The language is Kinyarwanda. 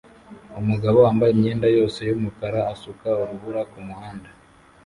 Umugabo wambaye imyenda yose yumukara asuka urubura kumuhanda